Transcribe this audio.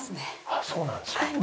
あっそうなんですか。